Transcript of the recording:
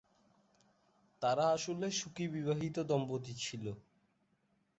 তারা আসলে সুখী-বিবাহিত দম্পতি ছিল।